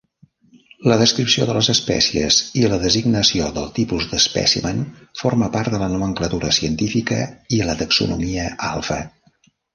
La descripció de les espècies i la designació del tipus d'espècimen forma part de la nomenclatura científica i la taxonomia alfa.